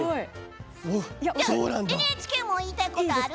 ＮＨＫの言いたいことある？